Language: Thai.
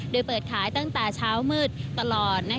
โดยเปิดขายตั้งแต่เช้ามืดตลอด